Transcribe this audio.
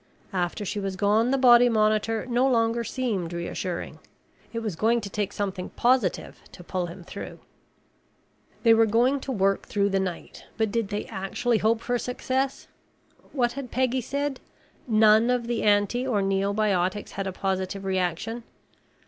After she was gone, the body monitor no longer seemed reassuring. It was going to take something positive to pull him through. They were going to work through the night, but did they actually hope for success. What had Peggy said? None of the anti or neobiotics had a positive reaction.